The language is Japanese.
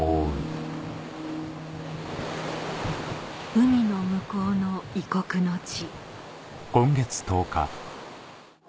海の向こうの異国の地